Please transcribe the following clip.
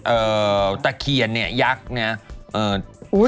เออแต่เขียนเนี่ยยักษ์เนี่ย